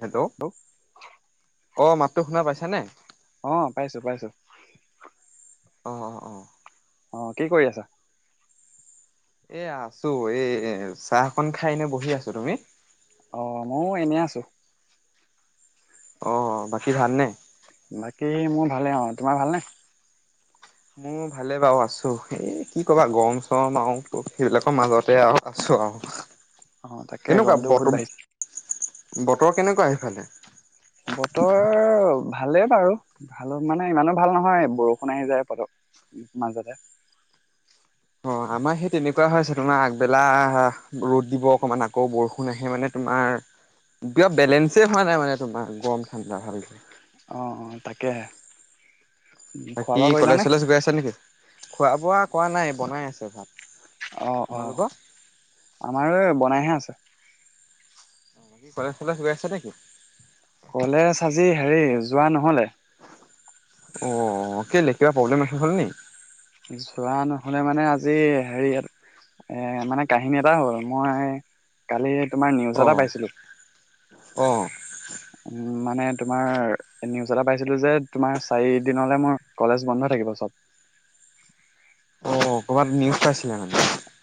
Hello hello? অ' মাতটো শুনা পাইছানে? অঁ পাইছো পাইছো। অঁ অঁ অঁ। অঁ কি কৰি আছা? এয়া আছো এই চাহকন খাই কিনে বহি আছো, তুমি? অঁ মও এনেই আছো। অঁ অঁ বাকী ভালনে? বাকী মোৰ ভালে অঁ, তোমাৰ ভালনে? মোৰ ভালে বাৰু আছো, এই কি কবা গৰম চৰম আৰু ত সেইবিলাকৰ মাজতে আও আছো আও। [inaudible] কেনেকুৱা গৰমটো বহুত বত বাঢ়িছে বতৰ কেনেকুৱা সেইফালে? বতৰ ভালে বাৰু। ভাল হক মানে ইমানো ভাল নহয় বৰষুণ আহি যায় পতক মাজতে। অঁ আমাৰ সেই তেনেকুৱাই হৈ আছেটোনা আগবেলা ৰ'দ দিব অকমান বৰষুণ আহে মানে- তোমাৰ বিয় বেলেঞ্চেই হোৱা নাই মানে তোমাৰ গৰম ঠাণ্ডা ভালকে। অঁ অঁ তাকেহে। বাকী কলেজ চলেজ গৈ আছা নেকি? খোৱা বোৱা কৰা নাই বনাই আছে ভাত। অঁ অঁ তোমালোকৰ আমাৰ এই বনাইহে আছে। কলেজ চলেজ গৈ আছে নেকি? কলেজ আজি হেৰি যোৱা ন'হলে। অঁ কেলে কিবা প্ৰব্লেম আছে হ'ল নি? যোৱা ন'হলে মানে আজি হেৰি ইয়াত- এ মানে কাহিনী এটা মই কালি তোমাৰ নিউজ এটা পাইছিলোঁ। অঁ' মানে তোমাৰ- নিউজ এটা পাইছিলোঁ যে তোমাৰ চাৰি দিনলে মোৰ কলেজ বন্ধ থাকিব চব। অ' ক'বাত নিউজ পাইছিলে মানে।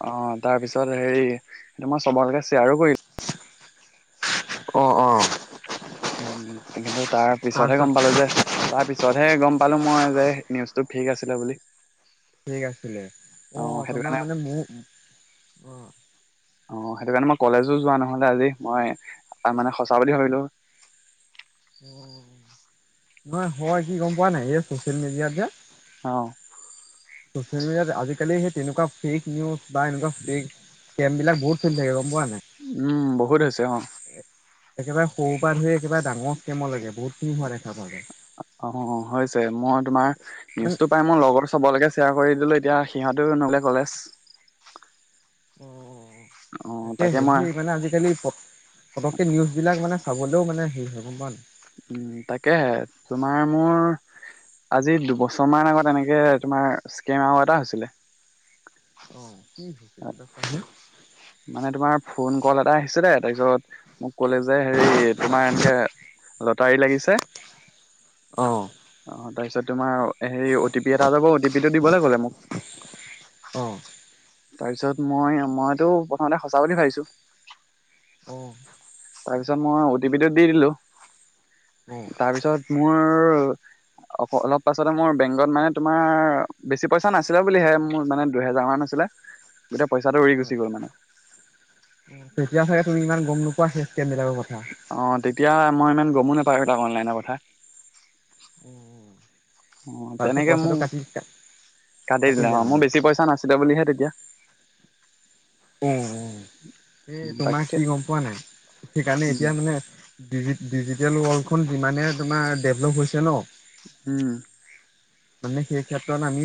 অঁ তাৰ পিছত হেৰি সেটো মই চবলেকে শ্বেয়াৰো কৰি- অঁ অঁ। উম' উম' কিন্তু তাৰ পিছতহে তাৰপিছত গম পালোঁ যে- তাৰ পিছতহে গম পালো মই যে নিউজটো ফেক আছিলে বুলি। ফেক আছিলে, অ' অঁ সেইটো তোমাৰ কাৰণে মানে মোৰো- অ', সেইটো কাৰণে মই কলেজো যোৱা নহলে আজি, মই মানে সঁচা বুলি ভাবিলো। নহয়, হয় কি গম পোৱা নাই, এই চচিয়েল মিডিয়াত যে অ'। চচিয়েল মিডিয়াত আজিকালি সেই তেনেকুৱা ফেক নিউজ বা এনেকুৱা ফেক স্কেম বিলাক বহুত চেল থাকে, গম পোৱা নাই। উম, বহুত হৈছে, অ'। একেবাৰে সৰু পৰা ধৰি একেবাৰে ডাঙৰ স্কেমৰ লাগে, বহুত খিনি হোৱা দেখা পোৱা যায়। অ', হৈছে, মই তোমাৰ মানে নিউজটো পাই মোৰ লগৰ চবলৈকে শ্বেয়াৰ কৰি দিলোঁ, এতিয়া সিহঁতেও নগলে কলেজ। অ', অ' তাকে হে, মই সেই মানে আজিকালি প পতককে নিউজবিলাক মানে চাবলৈও মানে হেৰি হয়, গম পোৱা নাই। উম, তাকেহে, তোমাৰ মোৰ আজি দুবছৰ মান আগত এনেকে তোমাৰ স্কেম আৰু এটা হৈছিলে। অ', [unintelligible] মানে তোমাৰ ফোন কল এটা আহিছিলে, তাৰপিছত মোক ক'লে যে হেৰি তোমাৰ এনেকে লটাৰী লাগিছে। অ'। অ', তাৰপিছত তোমাৰ হেৰি অ' টি পি এটা যাব, অ' টি পি টো দিবলৈ ক'লে মোক। অ', তাৰপিছত মই, মইতো প্ৰথমতে সঁচা বুলি ভাবিছোঁ। অ'। তাৰপিছত মই অ'টি পিটো দি দিলো, অ', তাৰপিছত মোৰ অ'। অক, অলপ পাছতে মোৰ বেংকত মানে তোমাৰ, বেছি পইচা নাছিলে বুলিহে, মোৰ মানে দুহেজাৰ মান আছিলে। গোটেই পইচাটো উৰি গুচি গ'ল মানে। উম, তেতিয়া চাগে তুমি ইমান গম নোপোৱা সেই স্কেম বিলাকৰ কথা। অ', তেতিয়া মই ইমান গমো নাপায়ও অনলাইনৰ কথা। অ', তাৰপিছত তেনেকে পইচাটো মোৰ, কাটি কাটি দিলে কাটিলে অ', মানে। মোৰ বেছি পইচা নাচিলে বুলিহে তেতিয়া। অ', অ', এই তোমাক তাকে কি গম পোৱা নাই, সেইকাৰণে উম, এতিয়া মানে ডিজি, ডিজিটেল ৱৰ্ল্ডখন যিমানে তোমাৰ ডেভলপ হৈছে ন'। উম। মানে সেই ক্ষেত্ৰত আমি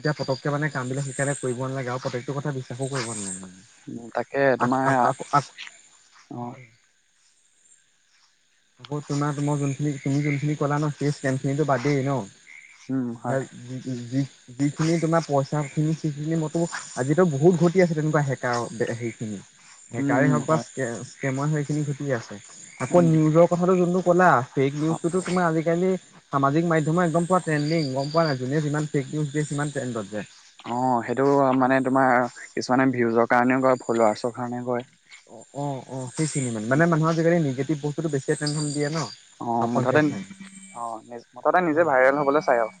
এতিয়া পতকে মানে কাম বিলাক শেইকাৰণে কৰিব নালাগে, আৰু প্ৰত্যেকটো কথা একো কৰিব নালাগে, তাকে আ, তোমাৰ অ', আ, আ। আকৌ তোমাৰ, মই যোনখিনি, তুমি যুনখিনি কলা ন' সেই স্কেম খিনি বাদেই উম, ন'। হয়, [unintelligible] যিখিনি তোমাৰ পইচা খিনি, সেইখিনি মইতো আজিতো বহুত ঘটি আছে, তেনেকুৱা হেকাৰ সেইখিনি। উম, হেকাৰেই উম, হওক বা হয়, স্কা, স্কেম এইখিনি ঘটি আছে, আকৌ উম, নিউজৰ কথাটো যোনটো কলা। ফেক অ', নিউজতো তমাৰ আজি কালি সামাজিক মাধ্যমত একদম পোৱা ট্ৰেণ্ডি, গম পোৱা নাই, যোনে যিমান ফেক নিউজ দিয়ে, সিমান ট্ৰেণ্ডত জাই। অ', সেইটো মানে তোমাৰ কিছুমানে ভিউজৰ কাৰণেও কৰে ফলোৱাৰছ অ', অ', অ' সেইখিনি মানে, মানে মানুহৰ নিগেটিভ বস্তুটো বেছি টেনশন দিয়ে ন'। অ', মুঠতে, পঞ্চাছ নাই অ', নি, মুঠতে নিজে হয় ভাইৰেল হবলৈ চাই আৰু।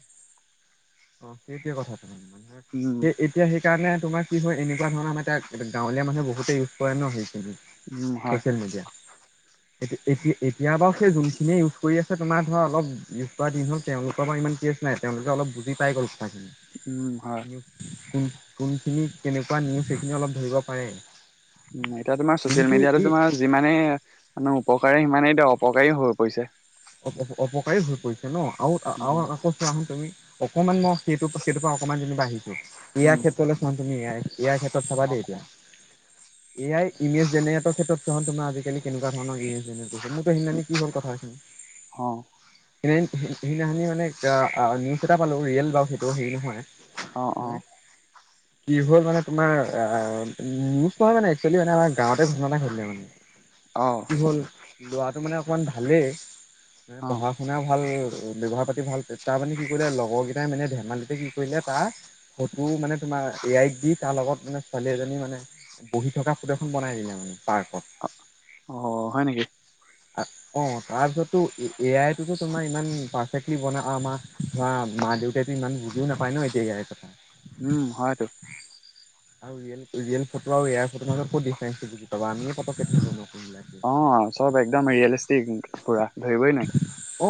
অ', সেইটোৱে কথাটো মানে, উম, সেই এতিয়া সেইকাৰণে তোমাৰ কি হয় এনেকুৱ ধৰণৰ আমাৰ এতিয়া গাঁৱলীয়া মানুহ বহুতে ইউজ কৰে ন' সেইখিনি। উম, হয়, চোচিয়েল মিডিয়া। এতি এতি এতিয়া বাউ সে যোনখিনিয়ে ইউজ কৰি আছে তোমাৰ ধৰা অলপ ইউজ কৰা দিন হ'ল তেওঁলোকৰ পৰা ইমান টষ্ট নাই তেওঁলোকে অলপ বুজি পাই গ'ল কথা খিনি। উম হয়। কোন কোনখিনি কেনেকুৱা নিউজ সেইখিনি অলপ ধৰিব পাৰে। উম এতিয়া তোমাৰ ছচিয়েল কিন্তু মিডিয়া ই তোমাৰ যিমানেই মানে উপকাৰী সিমানেই এতিয়া অপকাৰী হৈ পৰিছে। অপ অপকাৰী হৈ পৰিছে ন আউ আউ উম, আকৌ চোৱাচোন তুমি অকনমান মই সেইটো সেইটো পা অকমান যেতিবা আহিছো এ আই উম, ক্ষেত্ৰলৈ চোৱা তুমি এ আই এ আই ক্ষেত্ৰত চাবা দেই এতিয়া। [inaudible] এ আই ইমেজ জেনেৰেটৰ ক্ষেত্ৰত চোৱা তুমি আজিকালি কেনেকুৱা ধৰণৰ ইমেজ জেনেৰেট কৰিছে মোত সেদিনাখনি কি হ'ল কথাখিনি অ'। সে সে সেইদিনাখনি মানে আ আ নিউজ এটা পালোঁ ৰিয়েল বাউ সেইটো হেৰি নহয়। অ', তুমি অ', কি হ'ল মানে তোমাৰ আ নিউজ নহয় মানে একুৱেলি মানে আমাৰ গাঁৱতে ঘটনা এটা ঘটিলে মানে। অ'। কি হল ল'ৰাটো মানে অকমান ভালেই এ অ', পঢ়া শুনা ভাল ব্যৱহাৰ পাতি ভাল তাৰ মানে কি কৰিলে লগৰ গিটাই মানে ধেমালিতে কি কৰিলে তাৰ ফটো মানে তোমাৰ এ আইত দি তাৰ লগত মানে ছোৱালী এজনী মানে বহি থকা ফটো এখন বনাই দিলে মানে পাৰ্কত। অ', হয় নিকি? অ', তাৰপিছত ত এ এ আইটোত তোমাৰ ইমান পাৰফেক্টলি বনা আমা ধৰা মা দেউত তেটো ইমান বুজিও নাপায় ন এ আইৰ কথা। উম হয়টো। আৰু ৰিয়েল ৰিয়েল ফটো আৰু এ আইৰ ফটোৰ মাজত কত ডিফাৰেঞ্চ বুজি পাব আমিয়ে পতকে ধৰিব নোৱাৰো কোনটো ৰি অ চব একদম ৰিয়েলষ্টিক পুৰা। ধৰিবই নোৱাৰি। অ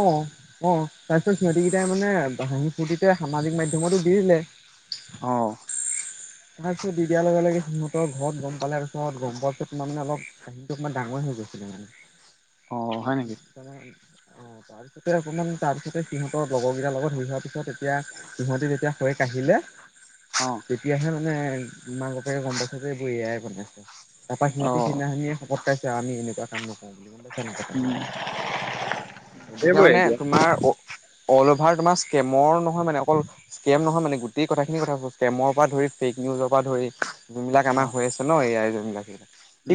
অ', তাৰপিছত সিহতিগিটাই মানে হাঁহি ফূৰ্তিতে সামাজিক মাধ্যমতো দি দিলে। অ'। দি দিয়াৰ লগে লগে সিহঁতৰ ঘৰত গম পালে পিছত গম পোৱাৰ পিছত মানে অলপ কাহিনীটো অকমান ডাঙৰ হৈ গৈছিলে অ', মানে মা হয় নেকি? অ তাৰ পিছতে অকমান তাৰ পিছতে সিহঁতৰ লগৰ গিটাৰ লগত [unintelligible] পিছত এতিয়া সহঁতি যেতিয়া হৈ কাঢ়িলে অঁ'। এতিয়াহে মানে মাক বাপেৰে গম পাইছে যে এইবোৰ এ আই বনাইছে তাপা সিহতি অ', সেইদিনাখনিয়ে- শপত খাইছে আমি এনেকুৱা কাম নকওঁ বুলি বোলে তেনে কথাখিনি উম, গতিকে সেইবোৰে মানে এতিয়া। তোমাৰ অ অল অভাৰ তোমাৰ স্কেমৰ নহয় মানে অকল স্কেম‌ নহয় মানে গোটেই কথাখিনিৰ কথা কৈছো স্কেমৰ পা ধৰি ফেক নিউজৰ পা ধৰি যোনবিলাক আমাৰ অ', হৈ আছে ন এ আই যোনবিলাক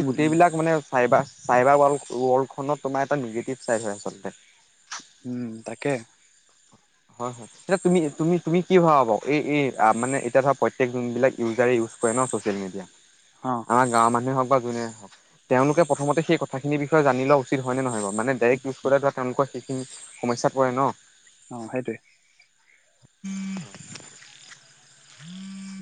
এই উম, গোটেইবিলাক মানে চাইবাৰ চাইবাৰ ৱলড ৱৰ্ল্ডতখনৰ তোমাৰ এটা নিগেটিভ চাইড হয় আচলতে উম তাকে হয় হয় এতিয়া তুমি তুমি তুমি কি ভাব বাৰু এই এই মানে এতিয়া ধৰা প্ৰত্যেক যোনবিলাক ইউজাৰে ইউজ কৰে ন চচিয়েল মিডিয়া অ আমাৰ গাঁৱৰ মানুহ হওঁক বা যোনে নহওঁক তেওঁলোকে প্ৰথমতে সেই কথাখিন বিষয়ে জানি লোৱা উচিত হয় নে নহয় বাউ মানে ডাইৰেক্ট ইউজ কৰিলে ধৰা তেওঁলোকৰ সেইখিনি সমস্যাত পৰে ন। অ সেইটোৱে।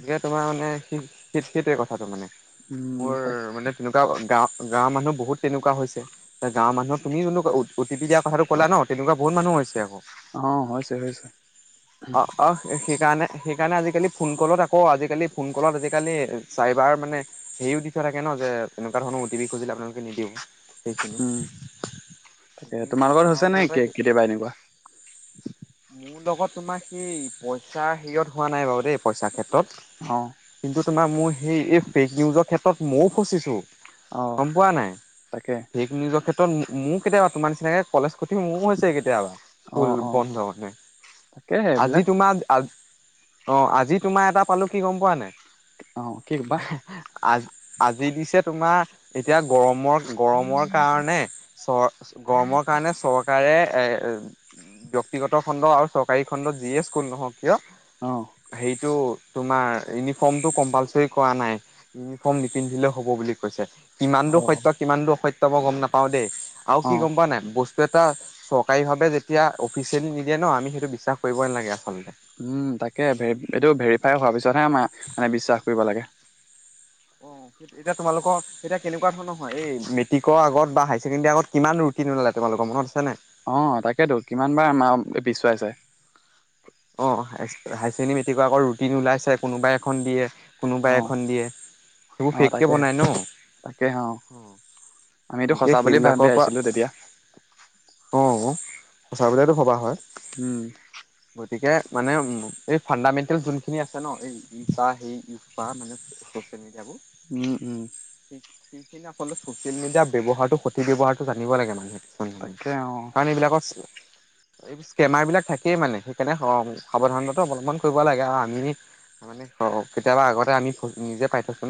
গতিকে তোমাৰ মানে স স সেইটোৱে কথাটো মানে উম, মোৰ তাক মানে, তেনেকুৱা গাৱ গাঁৱৰ মানুহ বহুত তেনেকুৱা হৈছে। এ গাঁৱৰ মানুহক তুমি যোন অটিপি দিয়া কথাটো কলা ন তেনেকুৱা বহুত মানুহ হৈছে আক। অ হয় চাগে। অ অ সেইকাৰণে, সেইকাৰণে আজিকালি ফোন কলত আকৌ আজিকালি ফোন কলত আজিকালি চাইবাৰ মানে, সেয়ো দি থোৱা থাকে ন তেনেকুৱা ধৰণৰ অতিপি খুজিলে আপোনালোক, নিদিব সেইখিনি, উম, তাকে তোমাৰ কৰিছে লগত হৈছে আৰু নে মোৰ কে কেতিয়াবা এনেকুৱা? লগত, তোমাৰ সেই পইচা হেইঅত হোৱা নাই বাৰু দেই পইচাৰ ক্ষেত্ৰত। অ কিন্তু তোমাৰ মোৰ সেই এই ফেক নিউজৰ ক্ষেত্ৰত ময়ো ফচিছোঁ। অ', গম পোৱা নাই তাকে ফেক নিউজৰ ক্ষেত্ৰত মো মোৰ কেতিয়াবা তোমাৰ নিচিনাকে কলেজ। খটি মোৰ হৈছে কেতিয়াবা স্কুল অ', অ', বন্ধ মানে। তাকে আজি এইবিলাক তোমাৰ অ আজি তোমাৰ এটা পালো কি গম পোৱা নাই, অ কিবা? আজ আজি দিছে তোমাৰ এতিয়া গৰমৰ, গৰমৰ কাৰণে চৰ গৰমৰ কাৰণে চৰকাৰে এ, ব্যক্তিগত খণ্ড আৰু চৰকাৰী খণ্ড যিয়ে স্কুল নহওক কিয়, অঁ সেইটো তোমাৰ ইউনিফৰ্মতটো কম্পালচৰি কৰা নাই। ইউনিফৰ্ম নিপিন্ধিলেও হব বুলি কৈছে। কিমান দূৰ অ', সত্য কিমান দূৰ অসত্য মই গম নাপাওঁ দেই আৰু কি অ', গম পোৱা নাই বচ, এটা চৰকাৰী ভাৱে যেতিয়া অফিচিয়েলি নিদিয়ে ন আমি সেইটো বিশ্বাস কৰিবই নালাগে আচলতে। উম তাকে এইটো ভেৰিফাই হোৱাৰ পিছতহে আমাৰ মানে বিশ্বাস কৰিব লাগে। অ, এতিয়া তোমলোকৰ এতিয়া কেনেকুৱা ধৰণৰ হয় এই মেট্ৰিকৰ আগত বা হাই ছেকেণ্ডৰী আগত কিমান দূৰ, কি নোলালে তোমালোকৰ মনত আছে‌ নাই? অ তাকেতো কিমান বাৰ আমাৰ পিছুৱাইছে। অ হাই ছেকেণ্ডডৰ আকৌ ৰুটিন ওলাইছে কোনোবাই এখন দিয়ে। কোনোবাই অ', এখন দিয়ে সেইবোৰ অ', ফেককে তাকেহে বনাই তাকে অ', আমিতো ন। সঁচা এতিয়া বুলি ভাবি সেইবিলাকৰ পৰা। আহিছিলো তেতিয়া অ অ সঁচা বুলিয়েতো ভবা হয়। উম। গতিকে মানে উ এই ফাণ্ডামেণ্টেল যোনখিনি আছে ন এই ই সেই ইজ মানে, হৈছে নে যাব। উম, উম, সেইখিনি আল চচিয়েল মিডিয়াৰ ব্যৱহাৰটো সঠিক ভাবে ৱ্যবহাৰটো জানিব লাগে মানুহে। তাকে অ', কাৰণ এইবিলাকৰ এই ইস্কেমাৰ বিলাক থাকেই মানে। তেনে সাৱধানতাটো অৱলম্বন কৰিব লাগে আৰু আমি, মানে অ কেতিয়াবা আগতে আমি নিজে পাই থইছো।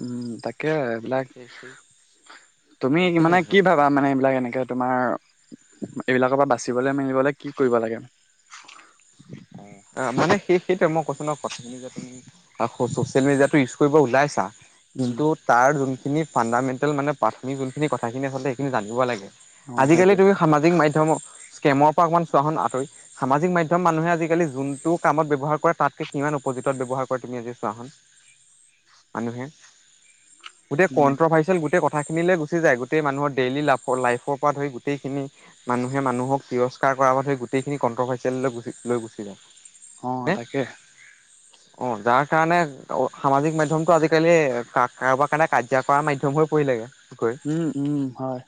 উম তাকে এইবিলাক। সেই তুমি মানে সেইখিনিয়ে আৰু কি ভাবা কথাখিনি মানে এইবিলাক এনেকে। তোমাৰ এইবিলাকৰ পৰা বাচিবলৈ মেলিবলৈ কি কৰিব লাগে। অ মানে সেই সেইটোয়ে মই কৈছো ন কথা খিনি যে তুমি ছচিয়েল মিডিয়াটো ইউজ কৰিব ওলাইছা, উম, কিন্তু তাৰ যোনখিনি ফাণ্ডামেণ্টেল মানে প্ৰাথমিক যোনখিনি কথাখিনি আচলতে সেইখিনি জানিব লাগে। অ', আজিকালি সেইটোৱে তুমি সামাজিক মাধ্যমৰ স্কেমৰ পৰা অকণমান চোৱাখন আঁতৰি সামাজিক মাধ্যম মানুহে আজিকালি যোনটো কামত ব্যৱহাৰ কৰে তাতকে কিমান অপজিতত ব্যৱহাৰ কৰে তুমি আজি চোৱাহন। মানুহে। গোটেই উম, কন্ট্ৰভাৰ্চিয়েল গোটেই কথাখিনিলে গুচি যায়। গোটেই মানুহৰ ডেইলী লাফৰ লাইফৰ পৰা ধৰি গোটেইখিনি, মানুহে মানুহক তিৰস্কাৰ কৰাৰ হৈ গোটেইখিনি কণ্ট্ৰভাৰচিয়েল লৈ গ লৈ গুচি যায়। অঁ তাকে। অ যাৰ কাৰণে সামাজিক মাধ্যমটো আজিকালি কাৰোবাৰ কাৰণে কাজিয়া কৰা মাধ্যম হৈ পৰিলেগে। উম উম হয়।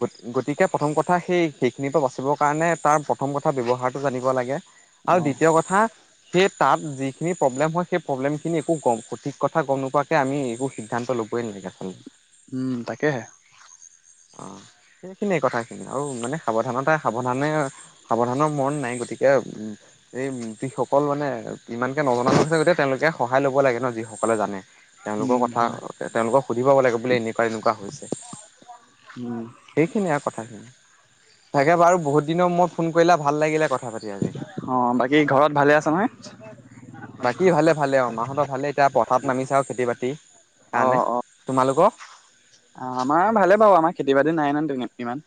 গ গতিকে প্ৰথম কথা সেই সেইখিনিৰ পৰা বাচিবৰ কাৰণে তাৰ প্ৰথম কথা ব্যৱহাৰটো জানিব লাগে। আৰু অ', দ্বিতীয় কথা, সেই তাত যিখিনি প্ৰব্লেম হয় সেই প্ৰব্লেমখিনি একো গম সঠিক কথা গম নোপোৱাকে আমি একো সিদ্ধান্ত লব কৈ নেকি আচল উম তাকেহে। অ সেইখিনিয়ে কথাখিনি। আৰু মানে সাৱধানতাই সাৱধানে সাৱধানৰ মৰন নাই, গতিকে উম এই যিসকল মানে ইমানকে নজনা আছে [unintelligible] গতিকে তেওঁলোকে সহায় ল'ব লাগে ন যিসকলে জানে তেওঁলোকৰ উম, কথা, হয় তেওঁলোকক সুধিব লাগে বোলে এনেকুৱা এনেকুৱা হৈছে। উম, সেইখিনি আও কথাখিনি। তাকে বাৰু বহুত দিনৰ মূৰত ফোন কৰিলা ভাল লাগিলে কথা পাতি আজি। অ বাকী ঘৰত ভালে আছা নহয়? বাকী ভালে ভালে অ, মাহঁতৰ ভালে এতিয়া পথাৰত নামিছে আৰু খেতি বাতি। কাৰনে। অ', তোমালোক? অ আমাৰ ভালে বাৰু আমাৰ খেতি বাতি নাই নহয় ইমান।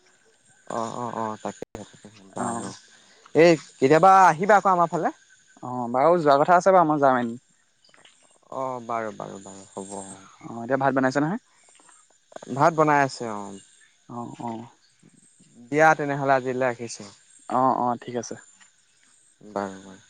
অ অ অ তাকে অ'। বাৰু। এই কেতিয়াবা আহিবা আকৌ আমাৰ ফালে। অঁ বাৰু যোৱা কথা আছে বাৰু মই যাম এদিন। অ বাৰু বাৰু বাৰু হ'ব। অঁ এতিয়া ভাত বনাইছ নহয়? ভাত বনাই আছে অঁ। অঁ অঁ। দিয়া তেনেহলে আজিলৈ ৰাখিছো। অঁ অঁ ঠিক আছে। বাৰু বাৰু।